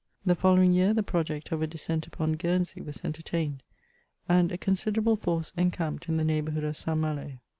The following year the project of a descent upon Guernsey was entertained, and a considerable force encamped in the neighbourhood of St. Malo.